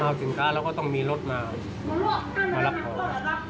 แล้วเอาสินค้าแล้วต้องมีรถมารับผน